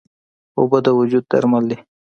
اوبه د وجود درمل دي.